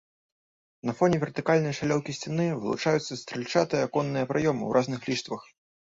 На фоне вертыкальнай шалёўкі сцяны вылучаюцца стральчатыя аконныя праёмы ў разных ліштвах.